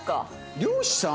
漁師さん？